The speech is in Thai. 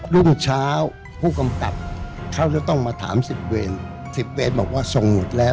รุ่งเช้าผู้กำกับเขาจะต้องมาถาม๑๐เวร๑๐เวรบอกว่าส่งหมดแล้ว